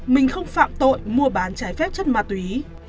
mình không phạm tội mua bán trái phép chất ma túy